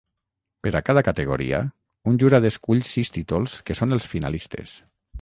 Per a cada categoria, un jurat escull sis títols que són els finalistes.